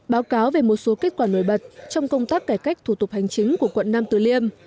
báo cáo về một số kết quả nổi bật trong công tác cải cách thủ tục hành chính của quận nam tử liêm